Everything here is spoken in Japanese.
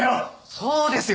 そうですよ！